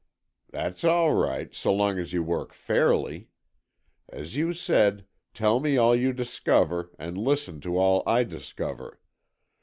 "That's all right, so long as you work fairly. As you said, tell me all you discover, and listen to all I discover.